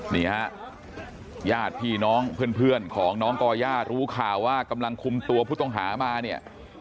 นี่ฮะญาติพี่น้องเพื่อนของน้องก่อย่ารู้ข่าวว่ากำลังคุมตัวผู้ต้องหามาเนี่ย